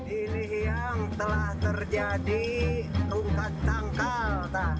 ini yang telah terjadi rungkat tangkal